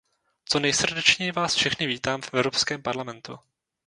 Co nejsrdečněji vás všechny vítám v Evropském parlamentu.